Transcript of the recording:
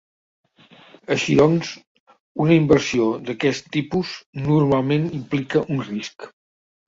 Així doncs, una inversió d'aquest tipus normalment implica un risc.